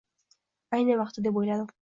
«Ayni vaqti», — deb o'yladim: